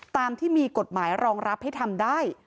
ตามที่มีกฎหมายรองรับให้ทำได้